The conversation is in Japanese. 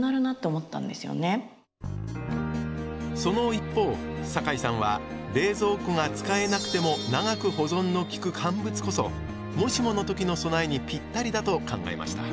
一方サカイさんは冷蔵庫が使えなくても長く保存の利く乾物こそもしもの時の備えにぴったりだと考えました。